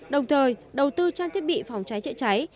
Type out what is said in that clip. đồng thời đầu tư trang thiết bị phòng cháy chữa cháy